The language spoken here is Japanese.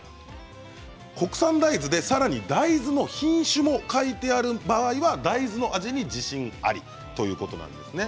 国産大豆でさらに大豆の品種も書いてある場合は大豆の味に自信ありということなんですね。